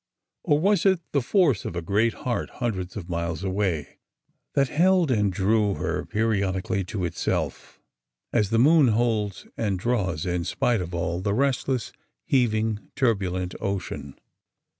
or was it the force of a great heart, hundreds of miles away, that held and drew her periodically to itself, as the moon holds and draws — in spite of all— the restless, heaving, turbulent ocean?